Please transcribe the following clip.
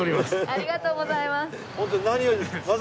ありがとうございます。